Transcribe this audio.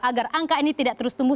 agar angka ini tidak terus tumbuh